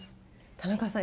田中さん